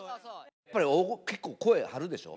やっぱり大きく声張るでしょ。